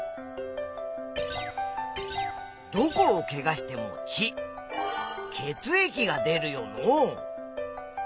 どこをケガしても血血液が出るよのう。